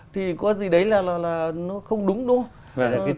thì có gì đấy là nó không đúng đúng không